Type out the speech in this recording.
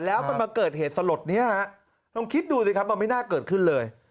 แล้วมันมาเกิดเหตุสลดนี้ฮะลองคิดดูสิครับมันไม่น่าเกิดขึ้นเลย